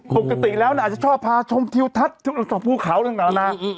ปกติแล้วอาจจะชอบพาชมทิวทัศน์ชมภูเขาหลังจากนั้น